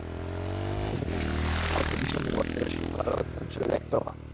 রিসেপশনের লোকটি আলাপ করতে ভীষণ ভালোবাসে, তবে সেসব আলাপের অধিকাংশই হলো একতরফা।